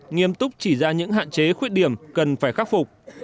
nghiêm túc chỉ ra những hạn chế khuyết điểm cần phải khắc phục